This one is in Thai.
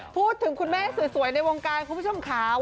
คุณแม่สวยในวงการคุณผู้ชมขาว